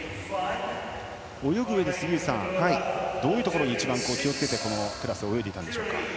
泳ぐうえで杉内さんどういうところに一番気をつけて、このクラスを泳いでいたんでしょうか？